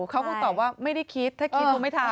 เขาก็ตอบว่าไม่ได้คิดถ้าคิดคงไม่ทำ